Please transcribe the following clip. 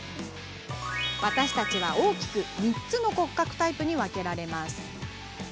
私たちは大きく３つの骨格タイプに分けられます。